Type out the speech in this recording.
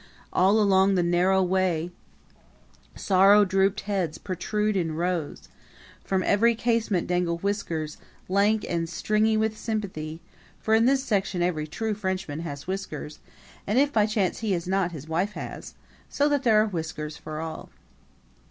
All along the narrow way sorrow drooped heads protrude in rows; from every casement dangle whiskers, lank and stringy with sympathy for in this section every true Frenchman has whiskers, and if by chance he has not his wife has; so that there are whiskers for all.